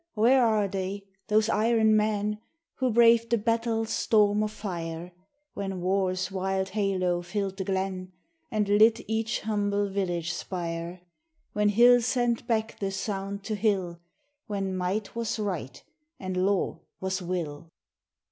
where are they those iron men, Who braved the battle's storm of fire, When war's wild halo fill'd the glen, And lit each humble village spire; When hill sent back the sound to hill, When might was right, and law was will!